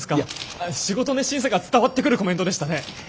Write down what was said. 仕事熱心さが伝わってくるコメントでしたね。